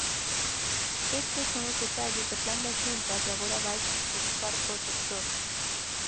Estes son os detalles do plan da Xunta que agora vai consensuar co sector.